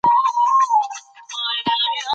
خیر محمد ته د بډایه سړي سپکاوی تریخ و.